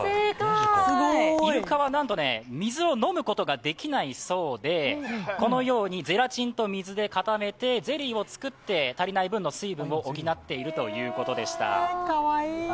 イルカはなんと、水を飲むことができないそうで、このようにゼラチンと水で固めてゼリーを作って足りない分の水分を補っているということでした。